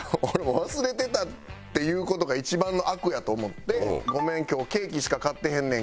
「忘れてた」って言う事が一番の悪やと思って「ごめん今日ケーキしか買ってへんねんけどいい？」